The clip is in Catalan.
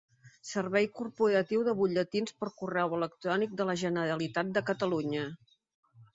Servei corporatiu de butlletins per correu electrònic de la Generalitat de Catalunya.